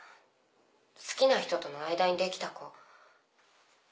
好きな人との間にできた子。